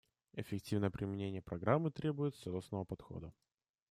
Эффективное применение Программы требует целостного подхода.